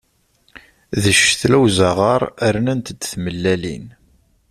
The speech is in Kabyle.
D ccetla n uẓaɣaṛ, rnant-d tmellalin.